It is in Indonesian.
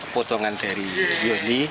potongan dari yoni